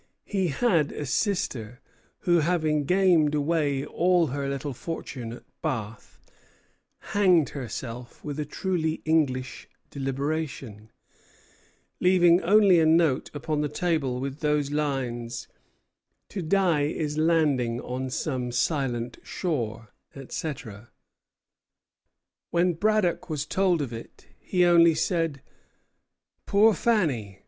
He had a sister who, having gamed away all her little fortune at Bath, hanged herself with a truly English deliberation, leaving only a note upon the table with those lines: 'To die is landing on some silent shore,' etc. When Braddock was told of it, he only said: 'Poor Fanny!